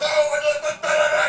kau adalah tentara rakyat